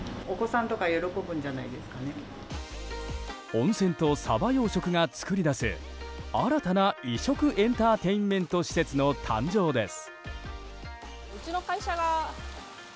温泉とサバ養殖が作り出す新たな異色エンターテインメント施設の誕生です。